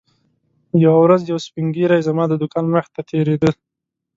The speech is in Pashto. یوه ورځ یو سپین ږیری زما د دوکان مخې ته تېرېده.